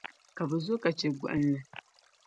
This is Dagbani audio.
Ka bɛ zo ka chɛ gbuɣinli.